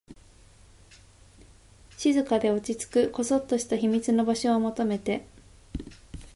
静かで、落ち着く、こそっとした秘密の場所を求めて